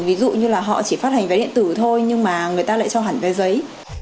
ví dụ như là họ chỉ phát hành vé điện tử thôi nhưng mà người ta lại cho hẳn vé giấy